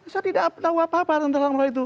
saya tidak tahu apa apa tentang hal itu